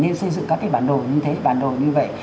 nên xây dựng các bản đồ như thế bản đồ như vậy